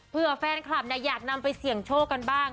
เพื่อแฟนคลับอยากนำไปเสี่ยงโชคกันบ้าง